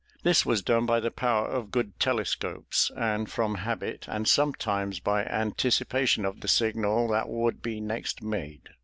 This was done by the power of good telescopes, and from habit, and sometimes by anticipation of the signal that would be next made.